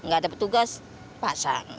gak ada petugas pasang